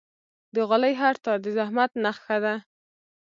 د غالۍ هر تار د زحمت نخښه ده.